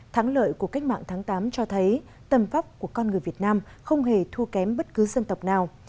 thắng lợi của cách mạng tháng tám cho thấy tầm vóc của con người việt nam không hề thua kém bất cứ dân tộc nào